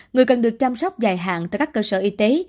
người cần được chăm sóc dài hạn tại các cơ sở y tế